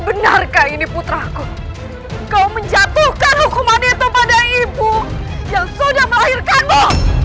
benarkah ini putraku kau menjatuhkan hukuman itu pada ibu yang sudah melahirkanmu